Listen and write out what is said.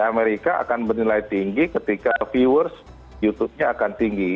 amerika akan bernilai tinggi ketika viewers youtubenya akan tinggi